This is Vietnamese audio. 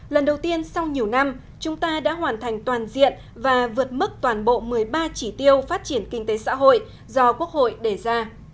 lần đầu tiên sau nhiều năm chúng ta đã hoàn thành toàn diện và vượt mức toàn bộ một mươi ba chỉ tiêu phát triển kinh tế xã hội do quốc hội đề ra